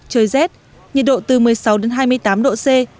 trời rét nhiệt độ từ một mươi sáu đến hai mươi tám độ c